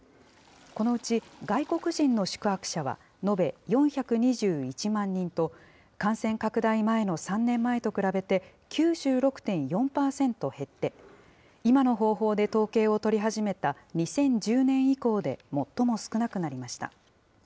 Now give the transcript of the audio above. このうち、外国人の宿泊者は延べ４２１万人と、感染拡大前の３年前と比べて、９６．４％減って、今の方法で統計を取り始めた２０１０年以降で最も少なくなりました。